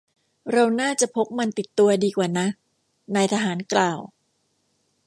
เราน่าจะพกมันติดตัวดีกว่านะ นายทหารกล่าว